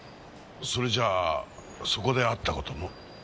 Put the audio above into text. それじゃあそこであった事も？